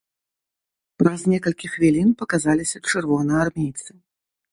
Праз некалькі хвілін паказаліся чырвонаармейцы.